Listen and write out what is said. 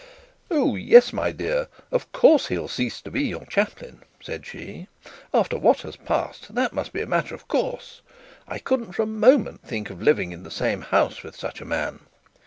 'Oh, yes, my dear, of course he'll cease to be your chaplain,' said she. 'After what has passed, that must be a matter of course. I couldn't for a moment think of living in the same house with such a man.